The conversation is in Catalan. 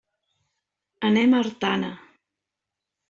Anem a Artana.